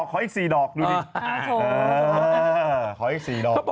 ขออีก๔ดอกดูดิ